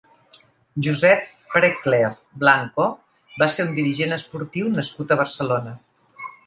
Josep Preckler Blanco va ser un dirigent esportiu nascut a Barcelona.